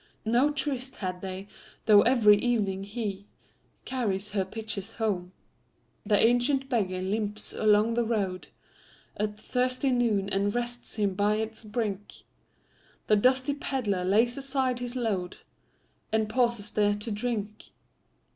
No tryst had they, though every evening heCarries her pitchers home. The ancient beggar limps along the roadAt thirsty noon, and rests him by its brink; The dusty pedlar lays aside his load, And pauses there to drink.